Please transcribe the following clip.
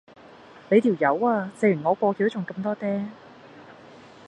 你條友呀，借完我過橋仲咁多嗲